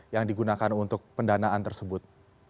yang digunakan untuk pendanaan tersebut